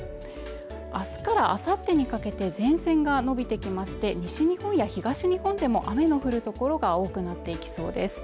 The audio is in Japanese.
あすからあさってにかけて前線が延びてきまして西日本や東日本でも雨の降る所が多くなっていきそうです